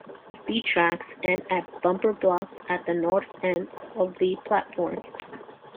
The tracks end at bumper blocks at the north end of the platforms.